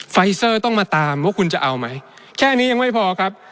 ไฟเซอร์ต้องมาตามว่าคุณจะเอาไหมแค่นี้ยังไม่พอครับ